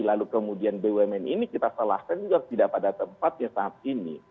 lalu kemudian bumn ini kita setelahkan juga tidak pada tempatnya saat ini